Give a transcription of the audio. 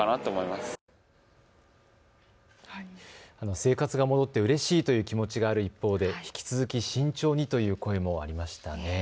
生活が戻ってうれしいという気持ちがある一方で引き続き慎重にという声もありましたね。